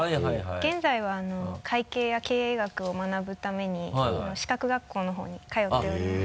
現在は会計や経営学を学ぶために資格学校のほうに通っております